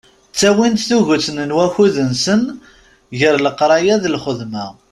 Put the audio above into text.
Ttawin-d tuget n wakud-nsen gar leqraya d lxedma.